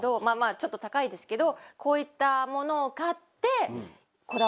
ちょっと高いですけどこういったものを買って。